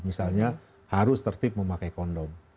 misalnya harus tertib memakai kondom